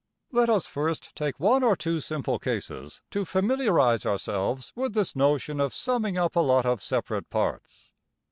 Let us first take one or two simple cases to familiarize ourselves with this notion of summing up a lot of separate parts.